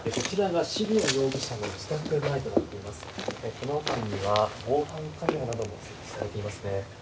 この辺りには防犯カメラなども設置されていますね。